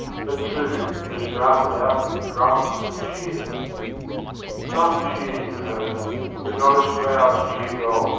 And soon, he was drafted out with drums and cheers. Some cheered him home, but not as crowds cheer Goal.